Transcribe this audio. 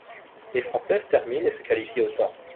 Les Françaises terminent et se qualifient au temps.